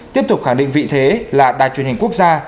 tiếp tục khẳng định vị thế là đài truyền hình quốc gia